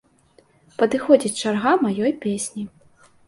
Падыходзіць чарга маёй песні.